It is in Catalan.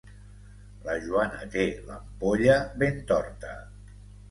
La Joana té l'ampolla ben torta.